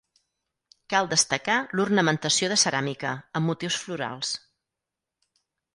Cal destacar l'ornamentació de ceràmica, amb motius florals.